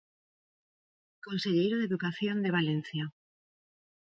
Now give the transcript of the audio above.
Conselleiro de educación de Valencia.